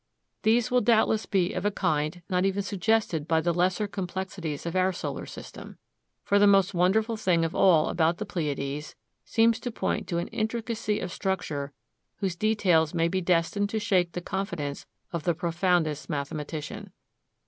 These will doubtless be of a kind not even suggested by the lesser complexities of our solar system. For the most wonderful thing of all about the Pleiades seems to point to an intricacy of structure whose details may be destined to shake the confidence of the profoundest mathematician.